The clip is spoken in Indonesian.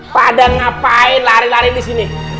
pada ngapain lari lari di sini